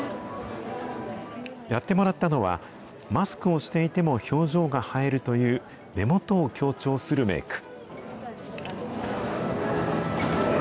やってもらったのは、マスクをしていても表情が映えるという、目元を強調するメーク。